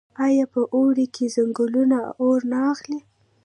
آیا په اوړي کې ځنګلونه اور نه اخلي؟